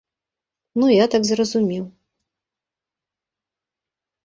Ну я так зразумеў.